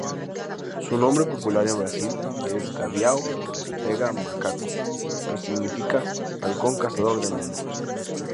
Su nombre popular en Brasil es "gaviao-pega-macaco", que significa halcón cazador de mono.